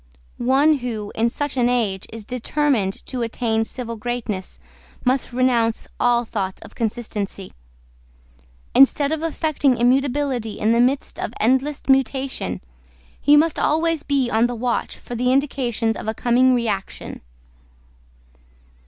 One who, in such an age, is determined to attain civil greatness must renounce all thoughts of consistency. Instead of affecting immutability in the midst of endless mutation, he must be always on the watch for the indications of a coming reaction.